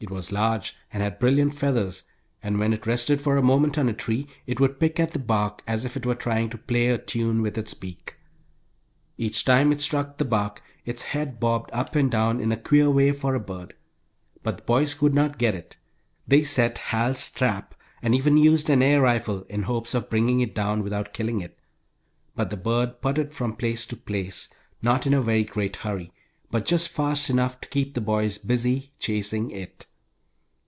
It was large, and had brilliant feathers, and when it rested for a moment on a tree it would pick at the bark as if it were trying to play a tune with its beak. Each time it struck the bark its head bobbed up and down in a queer way for a bird. But the boys could not get it. They set Hal's trap, and even used an air rifle in hopes of bringing it down without killing it, but the bird puttered from place to place, not in a very great hurry, but just fast enough to keep the boys busy chasing it.